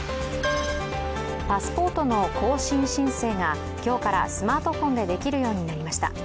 パスポートの更新申請が今日からスマートフォンでできるようになりました。